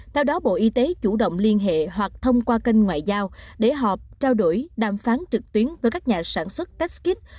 theo đó bộ y tế chủ động liên hệ hoặc thông qua kênh ngoại giao để họp trao đổi đàm phán trực tuyến với các nhà sản xuất test kit